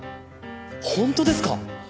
本当ですか？